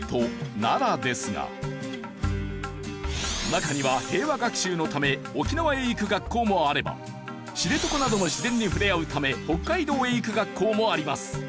中には平和学習のため沖縄へ行く学校もあれば知床などの自然に触れ合うため北海道へ行く学校もあります。